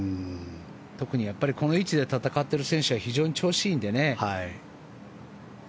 特にこの位置で戦っている選手は非常に調子がいいんでね。